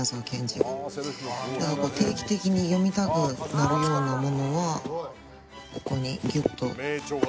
定期的に読みたくなるようなものはここにギュッと入れて。